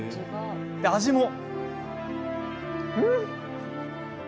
味も。